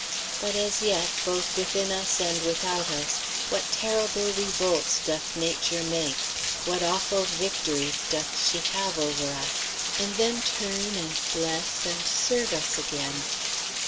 But as yet, both within us and without us, what terrible revolts doth Nature make! what awful victories doth she have over us, and then turn and bless and serve us again!